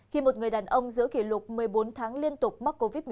khi một người đàn ông giữa kỷ lục một mươi bốn tháng liên tục mắc covid